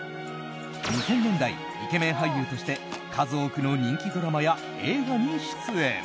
２０００年代イケメン俳優として数多くの人気ドラマや映画に出演。